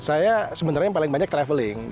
saya sebenarnya yang paling banyak traveling